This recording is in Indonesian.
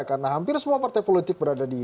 karena hampir semua partai politik